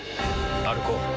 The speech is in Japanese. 歩こう。